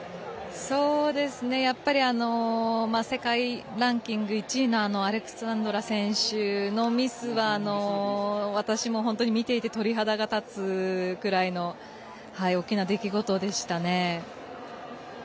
世界ランキング１位のアレクサンドラ選手のミスは私も、本当に見ていて鳥肌が立つくらいの大きな出来事でしたね。